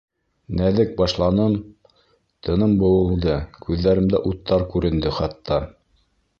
Нәҙек башланым, тыным быуылды, күҙҙәремдә уттар күренде хатта.